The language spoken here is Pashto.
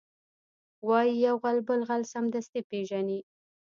وایي یو غل بل غل سمدستي پېژني